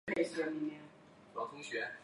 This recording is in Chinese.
其言论在网路上引起轩然大波。